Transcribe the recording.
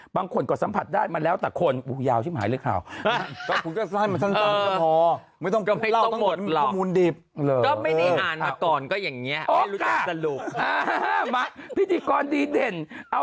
บางคนก็สัมผัสได้มาแล้วแต่คน